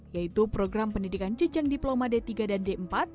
yaitu program pendidikan jejang diploma d tiga dan d empat